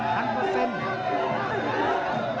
คันเปอร์เซ็นต์